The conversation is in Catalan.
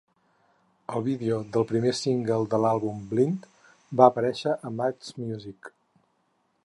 El vídeo del primer single de l'àlbum, "Blind", va aparèixer a MuchMusic.